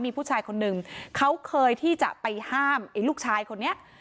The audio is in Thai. มีผู้ชายคนหนึ่งเขาเคยที่จะไปห้ามไอ้ลูกชายคนนี้